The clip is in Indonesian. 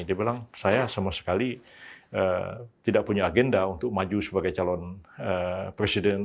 dia bilang saya sama sekali tidak punya agenda untuk maju sebagai calon presiden